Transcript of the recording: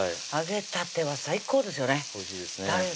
揚げたては最高ですよね